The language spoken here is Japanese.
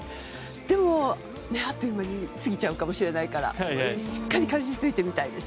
でも、あっという間に過ぎちゃうかもしれないからしっかりかじりついて見たいです。